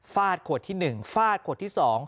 ขวดที่๑ฟาดขวดที่๒